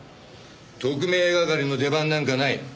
特命係の出番なんかない。